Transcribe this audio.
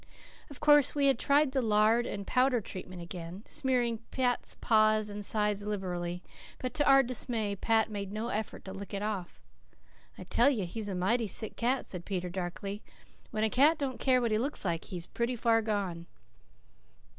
Of course we had tried the lard and powder treatment again, smearing Pat's paws and sides liberally. But to our dismay, Pat made no effort to lick it off. "I tell you he's a mighty sick cat," said Peter darkly. "When a cat don't care what he looks like he's pretty far gone."